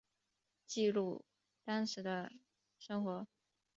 记录当时的生活